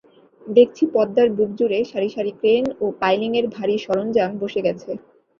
দেখছি পদ্মার বুকজুড়ে সারি সারি ক্রেন ও পাইলিংয়ের ভারী সরঞ্জাম বসে গেছে।